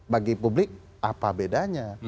bagi publik apa bedanya